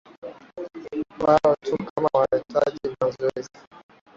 wao tu kama wanaitaji mazoezi